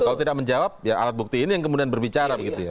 kalau tidak menjawab ya alat bukti ini yang kemudian berbicara begitu ya